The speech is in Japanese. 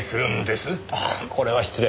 ああこれは失礼。